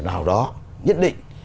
vào đó nhất định